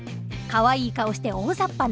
かわいい顔して大ざっぱな莉奈。